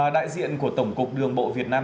đại diện của tổng cục đường bộ việt nam